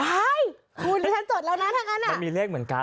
ว้ายคุณฉันจดแล้วนะทั้งอันอ่ะมันมีเลขเหมือนกัน